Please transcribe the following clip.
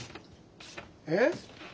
えっ？